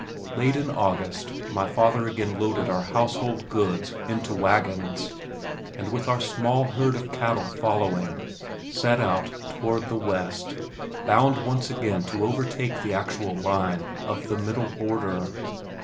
Late in August my father again loaded our household goods into wagons, and with our small herd of cattle following, set out toward the west, bound once again to overtake the actual line of the middle border.